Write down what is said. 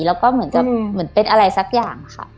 แล้วก็เหมือนกับเหมือนเป็นอะไรสักอย่างค่ะ